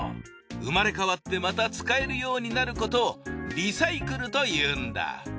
生まれ変わってまた使えるようになることをリサイクルと言うんだ。